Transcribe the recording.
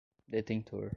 detentor